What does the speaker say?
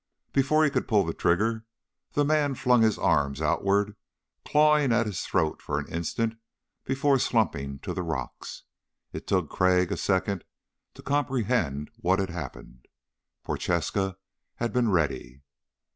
Before he could pull the trigger, the man flung his arms outward, clawing at his throat for an instant before slumping to the rocks. It took Crag a second to comprehend what had happened. Prochaska had been ready.